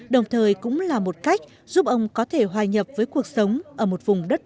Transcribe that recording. đồng thời cũng là một cách giúp ông có thể hòa nhập với cuộc sống ở một vùng đất này